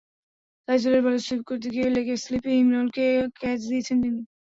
তাইজুলের বলে সুইপ করতে গিয়ে লেগ স্লিপে ইমরুলকে ক্যাচ দিয়েছেন তিনি।